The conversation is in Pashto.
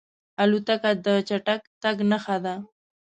الوتکه د چټک تګ نښه ده.